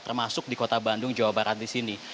termasuk di kota bandung jawa barat di sini